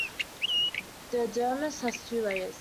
The dermis has two layers.